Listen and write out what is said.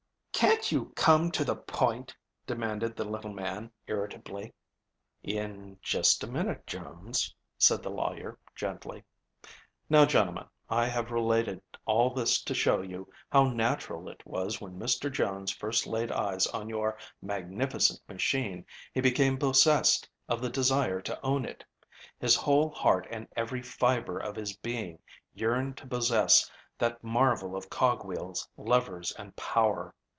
"Can't you come to the point?" demanded the little man irritably. "In just a minute, Jones," said the lawyer gently. "Now, gentlemen, I have related all this to show you how natural it was when Mr. Jones first laid eyes on your magnificent machine he became possessed of the desire to own it. His whole heart and every fiber of his being yearned to possess that marvel of cog wheels, levers, and power.